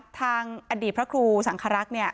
ทางอดีตพระครูสังครักษ์เนี่ย